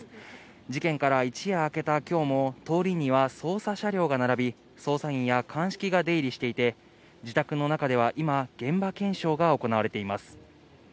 事件から一夜明けた今日も、通りには捜査車両が並び、捜査員や鑑識が出入りしていて、自宅の中では今、現場検証が行われています。